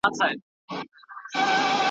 سره يو به کي موجونه ,